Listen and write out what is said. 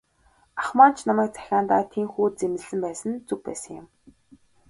Ах маань ч намайг захиандаа тийнхүү зэмлэсэн байсан нь зөв байсан юм.